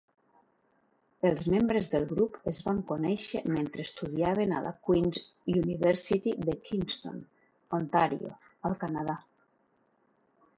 Els membres del grup es van conèixer mentre estudiaven a la Queen's University de Kingston (Ontario), al Canadà.